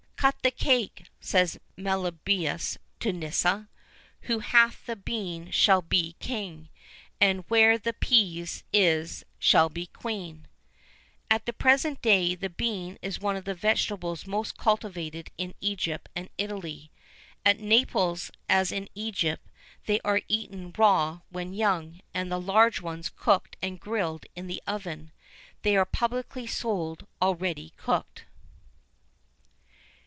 "Cut the cake," says Melibœus to Nisa; "who hath the beane shal be kinge; and where the peaze is, shal be queene."[VIII 20] "At the present day the bean is one of the vegetables most cultivated in Egypt and Italy. At Naples, as in Egypt, they are eaten raw when young, and the large ones cooked and grilled in the oven. They are publicly sold already cooked."